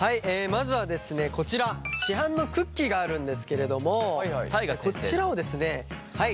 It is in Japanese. まずはですねこちら市販のクッキーがあるんですけれどもこちらをですねはい。